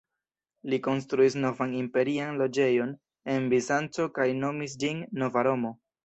Li konstruis novan imperian loĝejon en Bizanco kaj nomis ĝin "Nova Romo".